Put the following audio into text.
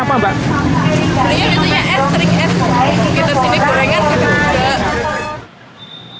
kita sini gorengan kita buka